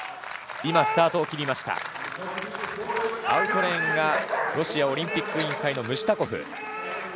アウトレーンがロシアオリンピック委員会のムシュタコフ。